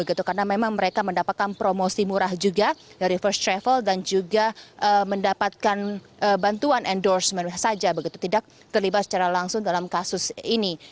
karena memang mereka mendapatkan promosi murah juga dari first travel dan juga mendapatkan bantuan endorsement saja tidak terlibat secara langsung dalam kasus ini